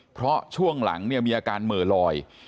เพราะช่วงหลังเนี่ยมีอาการเหม่อลอย